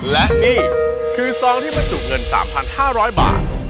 และนี่คือซองที่บรรจุเงิน๓๕๐๐บาท